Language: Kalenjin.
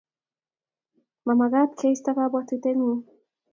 Ma magaat keisto kabwatengung